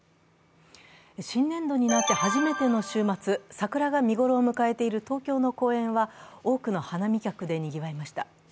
新年度になって初めての週末、桜が見頃を迎えている東京の公園は、多くの花見客でにぎわいました。